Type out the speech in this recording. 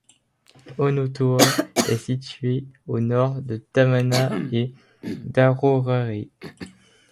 Onotoa est située au nord de Tamana et d'Arorae.